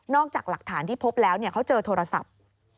จากหลักฐานที่พบแล้วเขาเจอโทรศัพท์